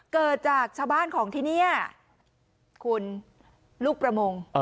เกิดจากชาวบ้านของที่นี่คุณลูกประมง